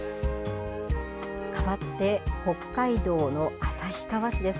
かわって北海道の旭川市です。